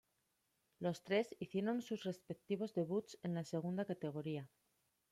Los tres hicieron sus respectivos debuts en la segunda categoría.